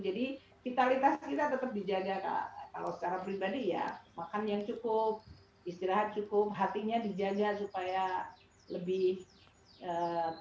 jadi vitalitas kita tetap dijaga kalau secara pribadi ya makan yang cukup istirahat cukup hatinya dijaga supaya lebih baik